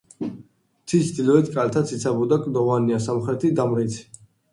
მთის ჩრდილოეთ კალთა ციცაბო და კლდოვანია, სამხრეთი დამრეცი.